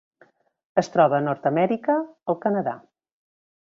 Es troba a Nord-amèrica: el Canadà.